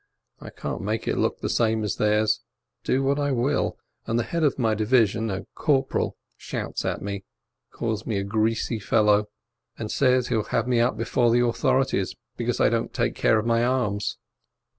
I can't make it look the same as theirs, do what I will, and the head of my division, a corporal, shouts at me, calls me a greasy fellow, and says he'll have me up before the authorities because I don't take care of my arms.